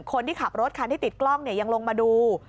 คนที่ขับรถคันที่ติดกล้องยังลงมาดู